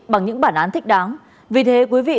bằng những bản án thích đáng vì thế quý vị